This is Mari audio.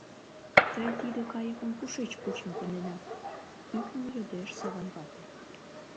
— Тый тиде кайыкым кушеч кучен конденат? — тӱкныл йодеш Саван вате.